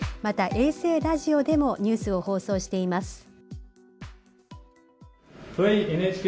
また衛星ラジオでもニュースを放送しています。